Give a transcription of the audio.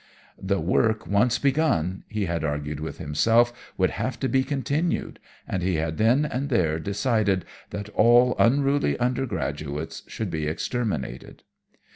"The work once begun, he had argued with himself, would have to be continued, and he had then and there decided that all unruly undergraduates should be exterminated.